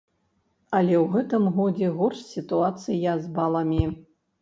Але ў гэтым годзе горш сітуацыя з баламі.